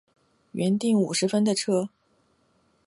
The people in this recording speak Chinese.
原订五十分的车